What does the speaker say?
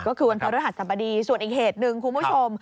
ก็คือวันพระฤหัสสบดีส่วนอีกเหตุหนึ่งคุณผู้ชม